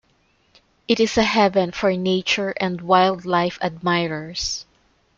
It is a heaven for nature and wild life admirers.